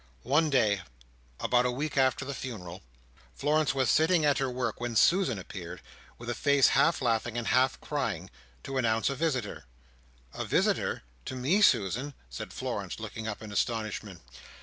One day, about a week after the funeral, Florence was sitting at her work, when Susan appeared, with a face half laughing and half crying, to announce a visitor. "A visitor! To me, Susan!" said Florence, looking up in astonishment.